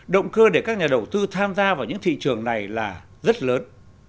động cơ để các nhà đầu tư tham gia vào những thị trường này là rất lớn